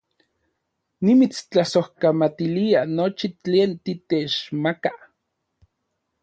Nimitstlasojkamatilia nochi tlen titechmaka